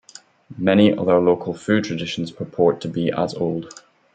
Many other local food traditions purport to be as old.